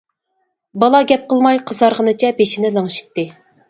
بالا گەپ قىلماي قىزارغىنىچە بېشىنى لىڭشىتتى.